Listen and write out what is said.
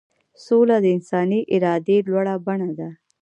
سوله د انساني ارادې لوړه بڼه ده.